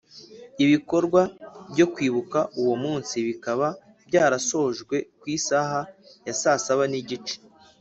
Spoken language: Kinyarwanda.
Ibikorwa byo kwibuka uwo munsi bikaba byarasojwe ku isaha ya saa saba n igice